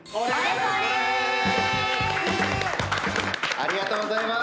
ありがとうございます。